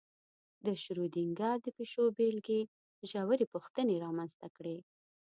د شرودینګر د پیشو بېلګې ژورې پوښتنې رامنځته کړې.